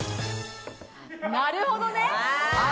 なるほどね。